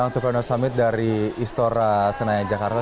untuk reno summit dari istora senayan jakarta